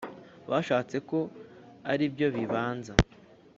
bashatse ko ari byo bibanza